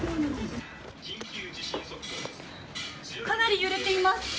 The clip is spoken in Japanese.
かなり揺れています。